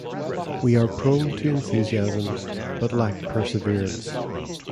We are prone to enthusiasms, but lack perseverance.